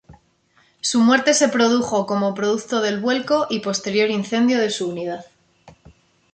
Su muerte se produjo como producto del vuelco y posterior incendio de su unidad.